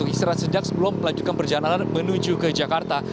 istirahat sejak sebelum melanjutkan perjalanan menuju ke jakarta